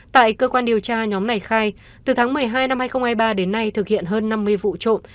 tại cơ quan điều tra nhóm này khai từ tháng một mươi hai năm hai nghìn hai mươi ba đến nay thực hiện hơn năm mươi vụ trộm